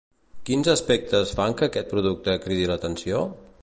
Quins aspectes fan que aquest producte cridi l'atenció?